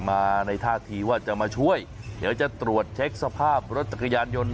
มาในท่าทีว่าจะมาช่วยเดี๋ยวจะตรวจเช็คสภาพรถจักรยานยนต์